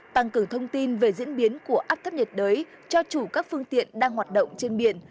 tăng cường thông tin về diễn biến của áp thấp nhiệt đới cho chủ các phương tiện đang hoạt động trên biển